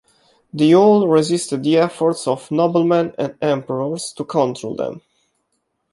They all resisted the efforts of noblemen and emperors to control them.